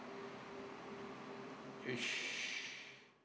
よし。